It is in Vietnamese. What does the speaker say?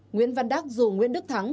nguyễn văn đắc dù nguyễn đức thắng